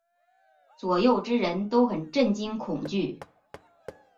左右之人都很震惊恐惧。